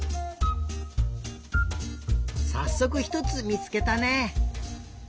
さっそくひとつみつけたね。